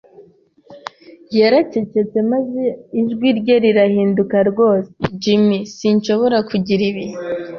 yaracecetse, maze ijwi rye rirahinduka rwose, “Jim, sinshobora kugira ibi.